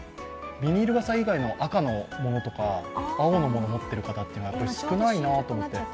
ビニール傘以外の赤のものとか青のものを持っている方って少ないなと思って。